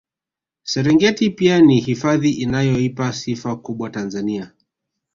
Serengeti pia ni hifadhi inayoipa sifa kubwa Tanzania